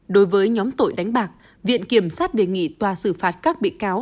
đối với nhóm tội đánh bạc viện kiểm sát đề nghị tòa xử phạt các bị cáo